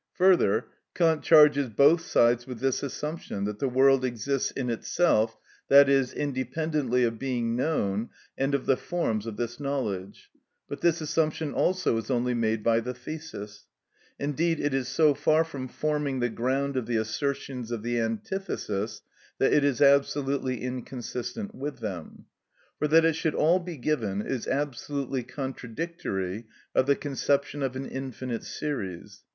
Further, Kant charges both sides with this assumption, that the world exists in itself, i.e., independently of being known and of the forms of this knowledge, but this assumption also is only made by the thesis; indeed, it is so far from forming the ground of the assertions of the antithesis that it is absolutely inconsistent with them. For that it should all be given is absolutely contradictory of the conception of an infinite series.